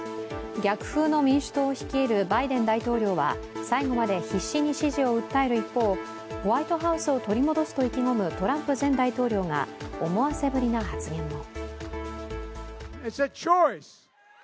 逆風の民主党を率いるバイデン大統領は最後まで必死に支持を訴える一方、ホワイトハウスを取り戻すと意気込むトランプ前大統領が思わせぶりな発言も。